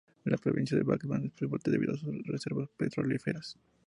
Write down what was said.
La provincia de Batman es importante debido a sus reservas petrolíferas.